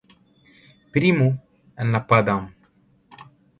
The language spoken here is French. Primo, elle n’a pas d’âme.